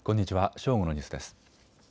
正午のニュースです。